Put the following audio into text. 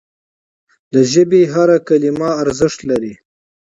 د ژبي هره کلمه ارزښت لري.